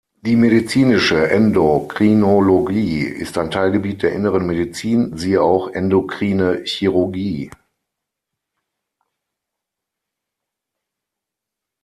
Die medizinische Endokrinologie ist ein Teilgebiet der Inneren Medizin, siehe auch Endokrine Chirurgie.